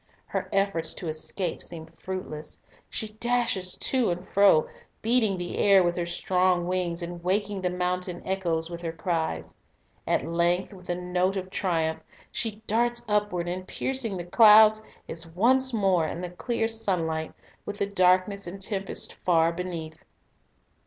Her efforts to escape seem fruitless. She dashes to and fro, beating the air with her strong wings, and waking the mountain echoes with her cries. At length, with a note of triumph, she darts upward, and, piercing the clouds, is once more in the clear sunlight, with the darkness and tempest far beneath.